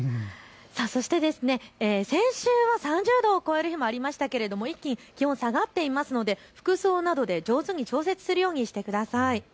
そして先週は３０度を超える日もありましたが一気に気温下がっていますので服装などで上手に調節するようにしてください。